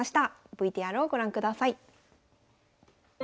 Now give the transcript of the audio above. ＶＴＲをご覧ください。